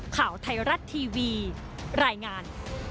ข่าวไทยรัฐทีวีรายงาน